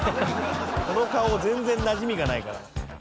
この顔全然なじみがないから。